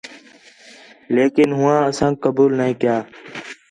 لیکن ہوآں اسانک قبول نَے کیا